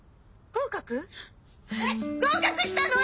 合格したの！？